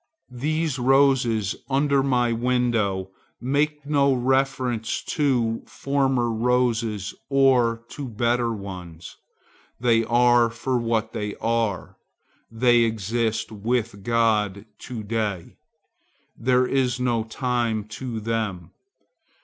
These roses under my window make no reference to former roses or to better ones; they are for what they are; they exist with God to day. There is no time to them.